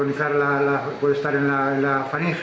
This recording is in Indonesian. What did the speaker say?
yaitu bisa berpengalaman di farinja